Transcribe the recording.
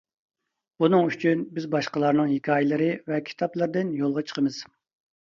بۇنىڭ ئۈچۈن بىز باشقىلارنىڭ ھېكايىلىرى ۋە كىتابلىرىدىن يولغا چىقىمىز.